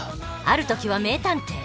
ある時は名探偵。